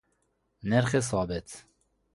نرخ ثابت